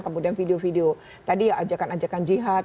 kemudian video video tadi ya ajakan ajakan jihad